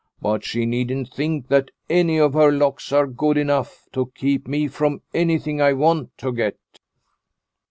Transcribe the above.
But she needn't think that any of her locks are good enough to keep me from anything I want to get."